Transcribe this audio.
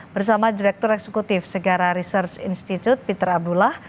bersama direktur eksekutif segara research institute peter abdullah